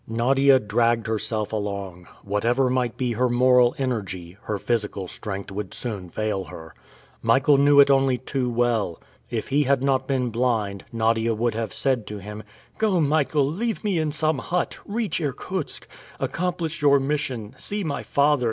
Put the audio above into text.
Nadia dragged herself along. Whatever might be her moral energy, her physical strength would soon fail her. Michael knew it only too well. If he had not been blind, Nadia would have said to him, "Go, Michael, leave me in some hut! Reach Irkutsk! Accomplish your mission! See my father!